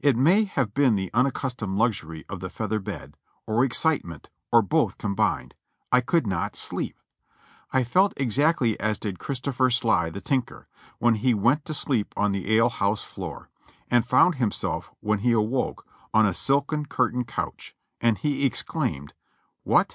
It may have been the unaccustomed luxury of the feather bed, or excitement, or both combined — I could not sleep. I felt ex actly as did Christopher Sly the tinker, when he went to sleep on the ale house floor, and found himself when he awoke on a silken curtained couch, and he exclaimed, "What!